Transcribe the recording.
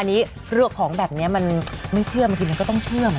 อันนี้เลือกของแบบนี้มันไม่เชื่อบางทีมันก็ต้องเชื่อม